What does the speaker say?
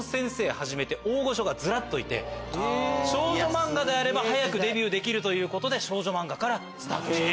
はじめ大御所がずらっといて少女漫画であれば早くデビューできるということで少女漫画からスタートした。